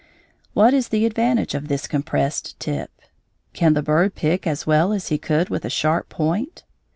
What is the advantage of this compressed tip? Can the bird pick as well as he could with a sharp point?